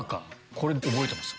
これ覚えてます？